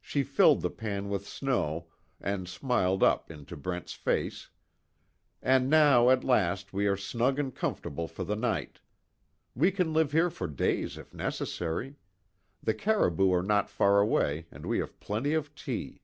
She filled the pan with snow, and smiled up into Brent's face: "And, now, at last, we are snug and comfortable for the night. We can live here for days if necessary. The caribou are not far away, and we have plenty of tea."